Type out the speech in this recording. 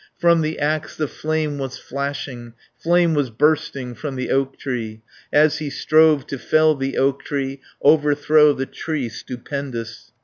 From the axe the flame was flashing, Flame was bursting from the oak tree, 180 As he strove to fell the oak tree, Overthrow the tree stupendous.